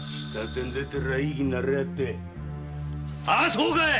そうかい！